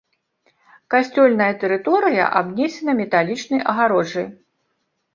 Касцёльная тэрыторыя абнесена металічнай агароджай.